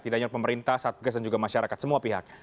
tidak hanya pemerintah satgas dan juga masyarakat semua pihak